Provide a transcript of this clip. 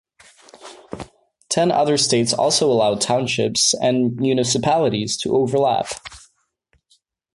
Ten other states also allow townships and municipalities to overlap.